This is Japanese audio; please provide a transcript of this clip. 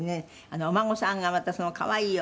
「お孫さんがまた可愛いお孫さん」